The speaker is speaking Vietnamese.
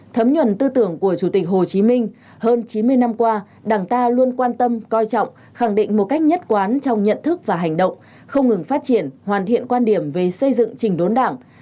thấm nhuận tư tưởng của chủ tịch hồ chí minh hơn chín mươi năm qua đảng ta luôn quan tâm coi trọng khẳng định một cách nhất quán trong nhận thức và hành động không ngừng phát triển hoàn thiện quan điểm về xây dựng trình đốn đảng